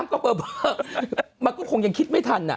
อ้ำก็เบอร์มาก็คงยังคิดไม่ทัน